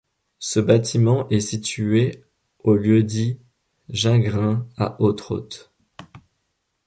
Ce bâtiment est situé au lieu-dit Jungrain à Ottrott.